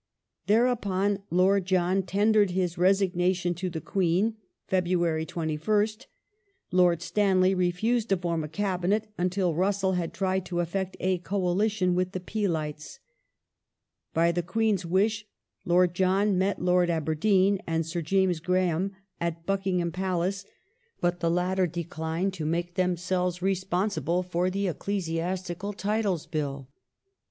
Thereupon Lord John tendered his resignation to the Queen (Feb. 21st). Lord Stanley refused to form a Cabinet until Russell had tried to effect a coalition with the Peelites. By the Queen's wish Lord John met Lord Aberdeen and Sir James Graham at Buckingham Palace, but the latter declined to make themselves responsible for the Ecclesiastical Titles Bill.